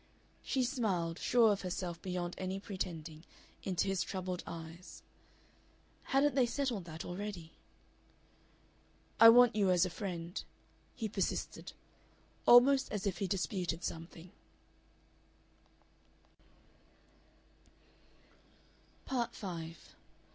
She smiled, sure of herself beyond any pretending, into his troubled eyes. Hadn't they settled that already? "I want you as a friend," he persisted, almost as if he disputed something.